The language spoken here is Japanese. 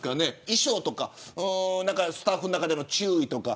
衣装とかスタッフの中での注意とか。